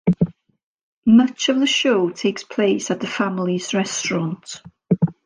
Much of the show takes place at the family's restaurant.